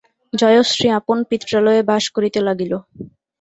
জয়শ্রী আপন পিত্রালয়ে বাস করিতে লাগিল।